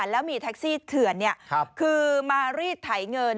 แล้วมีแท็กซี่เถื่อนคือมารีดไถเงิน